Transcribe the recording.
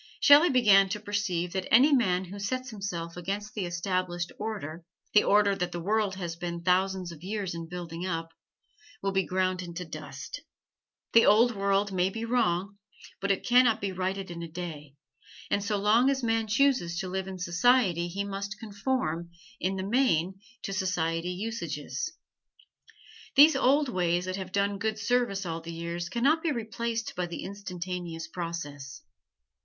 Shelley began to perceive that any man who sets himself against the established order the order that the world has been thousands of years in building up will be ground into the dust. The old world may be wrong, but it can not be righted in a day, and so long as a man chooses to live in society he must conform, in the main, to society usages. These old ways that have done good service all the years can not be replaced by the instantaneous process.